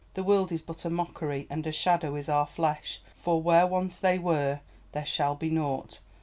The world is but a mockery, and a shadow is our flesh, for where once they were there shall be naught.